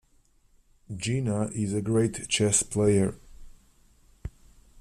Gina is a great chess player.